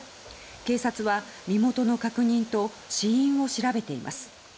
警察は身元の確認と死因を調べています。